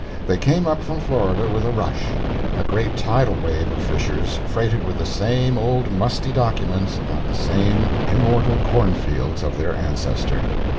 They came up from Florida with a rush a great tidal wave of Fishers freighted with the same old musty documents about the same immortal corn fields of their ancestor.